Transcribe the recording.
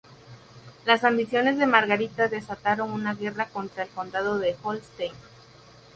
Las ambiciones de Margarita desataron una guerra contra el condado de Holstein.